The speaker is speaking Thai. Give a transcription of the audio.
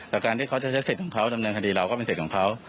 แต่การที่เขาจะใช้สิทธิ์ของเขาดำเนินคดีเราก็เป็นสิทธิ์ของเขา